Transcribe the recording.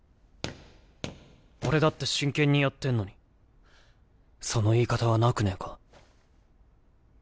俺だって真剣にやってんのにその言い方はなくねぇか？